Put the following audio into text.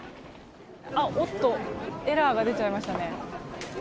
おっとエラーが出ちゃいましたね。